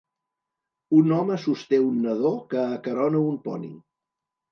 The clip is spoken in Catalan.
Un home sosté un nadó que acarona un poni.